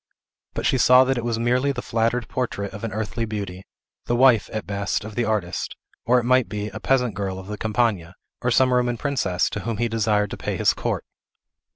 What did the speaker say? But she saw that it was merely the flattered portrait of an earthly beauty; the wife, at best, of the artist; or, it might be, a peasant girl of the Campagna, or some Roman princess, to whom he desired to pay his court.